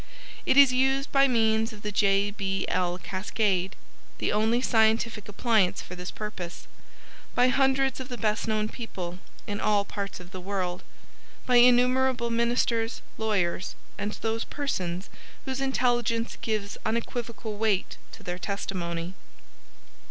It is used by means of the "J.B.L. Cascade" the only scientific appliance for this purpose by hundreds of the best known people in all parts of the world, by innumerable ministers, lawyers, and those persons whose intelligence gives unequivocal weight to their testimony.